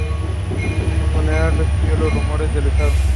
Su funeral recibió todos los honores del Estado.